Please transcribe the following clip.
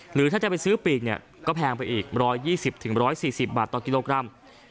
หรือถ้าจะไปซื้อปีกเนี่ยก็แพงไปอีก๑๒๐๑๔๐บาทต่อกิโลกรัม